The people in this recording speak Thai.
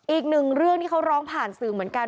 อีกหนึ่งเรื่องที่เขาร้องผ่านสื่อเหมือนกัน